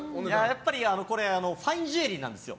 やっぱりファンジュエリーなんですよ。